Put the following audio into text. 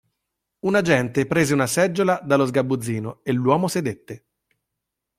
Un agente prese una seggiola dallo sgabuzzino e l'uomo sedette.